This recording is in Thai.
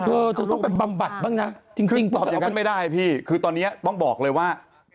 เธอเธอต้องไปบำบัดบ้างนะจริงตอบอย่างนั้นไม่ได้พี่คือตอนนี้ต้องบอกเลยว่า